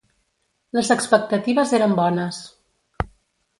Les expectatives eren bones.